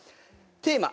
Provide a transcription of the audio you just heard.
テーマ